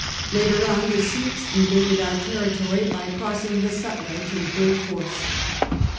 Later on the Sikhs invaded our territory by crossing the Sutlej in great force.